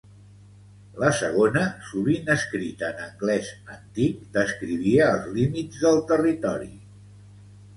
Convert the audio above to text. La segona, sovint escrita en anglès antic, descrivia els límits del territori.